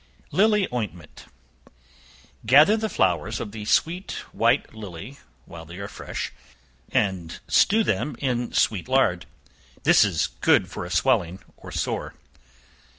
Lily Ointment. Gather the flowers of the sweet white lily, while they are fresh, and stew them in sweet lard. This is good for a swelling, or sore.